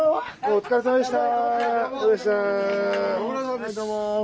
お疲れさまでした！